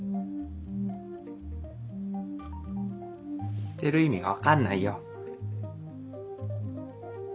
言ってる意味が分かんないよ。